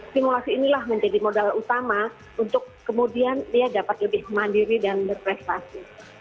simulasi inilah menjadi modal utama untuk kemudian dia dapat lebih mandiri dan berprestasi